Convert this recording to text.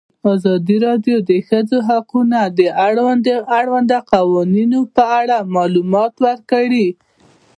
ازادي راډیو د د ښځو حقونه د اړونده قوانینو په اړه معلومات ورکړي.